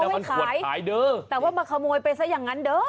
มันขวดขายเด้อแต่ว่ามาขโมยไปซะอย่างนั้นเด้อ